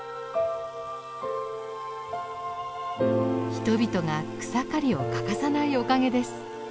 人々が草刈りを欠かさないおかげです。